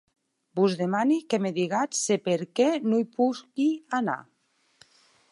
Vos demani que me digatz se per qué non i posqui anar.